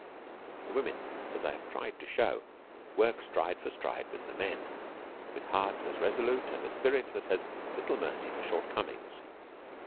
The women, as I have tried to show, work stride for stride with the men, with hearts as resolute and a spirit that has little mercy for short comings.